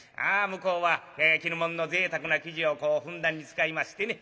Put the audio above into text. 向こうは絹物のぜいたくな生地をふんだんに使いましてね